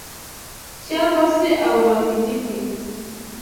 cyangwa se abo bava inda imwe